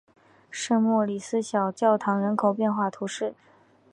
圣莫里斯小教堂人口变化图示